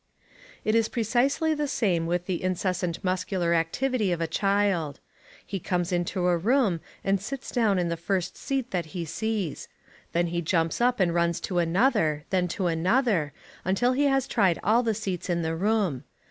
It is precisely the same with the incessant muscular activity of a child. He comes into a room and sits down in the first seat that he sees. Then he jumps up and runs to another, then to another, until he has tried all the seats in the room.